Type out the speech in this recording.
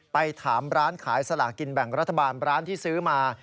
ไปถามร้านขายสลากินแบ่งรัฐบาลร้านที่ซื้อมา